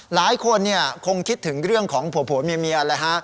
หลายคนคงคิดถึงเรื่องของผัวเมียเลยฮะ